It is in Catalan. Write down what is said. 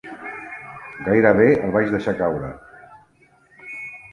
Gairebé el vaig deixar caure!